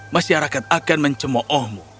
masyarakat akan mencemo'ohmu